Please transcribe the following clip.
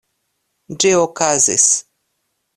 Ĝi okazis.